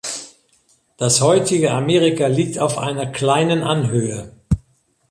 Das heutige Amerika liegt auf einer kleinen Anhöhe.